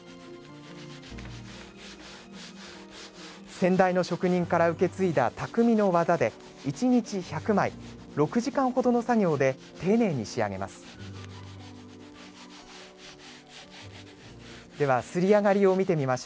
先代の職人から受け継いだたくみの技で１日１００枚６時間ほどの作業で丁寧に仕上げます。